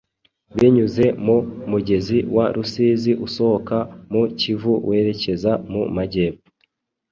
binyuze mu mugezi wa Rusizi usohoka mu Kivu werekeza mu majyepfo